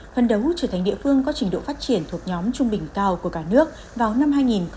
phần đầu trở thành địa phương có trình độ phát triển thuộc nhóm trung bình cao của cả nước vào năm hai nghìn hai mươi năm